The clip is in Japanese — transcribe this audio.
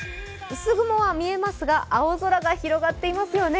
薄雲は見えますが、青空が広がっていますよね。